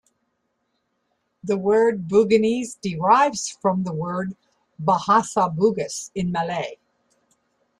The word Buginese derives from the word "Bahasa Bugis" in Malay.